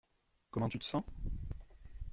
Comment tu te sens?